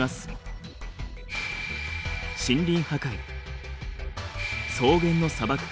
森林破壊草原の砂漠化。